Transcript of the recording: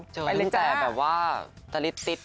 เจอรึงจะแบบว่าทริปติ๊บ